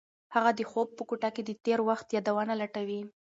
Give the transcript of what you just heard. هغه د خوب په کوټه کې د تېر وخت یادونه لټوي.